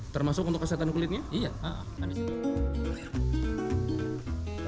termasuk untuk kesehatan kulitnya iya